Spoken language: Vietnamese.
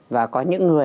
và có những người